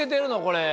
これ。